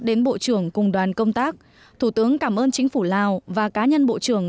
đến bộ trưởng cùng đoàn công tác thủ tướng cảm ơn chính phủ lào và cá nhân bộ trưởng